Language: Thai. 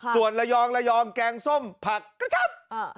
ส่วนระยองแกงส้มผักกระชับ